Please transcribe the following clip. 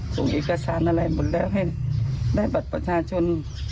ส่งเอกสารอะไรหมดแล้วให้ได้บัตรประชาชน